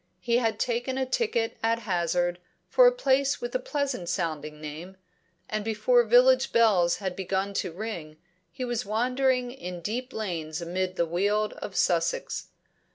He had taken a ticket at hazard for a place with a pleasant sounding name, and before village bells had begun to ring he was wandering in deep lanes amid the weald of Sussex.